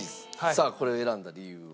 さあこれを選んだ理由は？